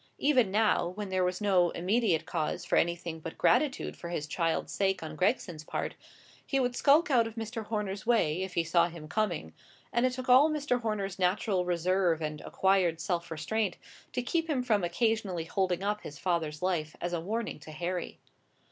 Even now, when there was no immediate cause for anything but gratitude for his child's sake on Gregson's part, he would skulk out of Mr. Horner's way, if he saw him coming; and it took all Mr. Horner's natural reserve and acquired self restraint to keep him from occasionally holding up his father's life as a warning to Harry.